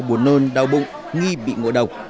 buồn nôn đau bụng nghi bị ngộ độc